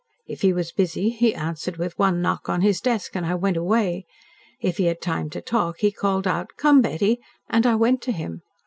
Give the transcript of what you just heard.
If he was busy he answered with one knock on his desk, and I went away. If he had time to talk he called out, 'Come, Betty,' and I went to him.